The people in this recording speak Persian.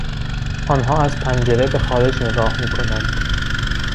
آنها از پنجره بهخارج نگاه میکنند.